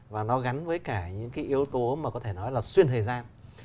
và nó gắn với cả những cái yếu tố mà có thể nói là xuyên thời gian